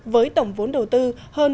với tổng vốn đầu tư hơn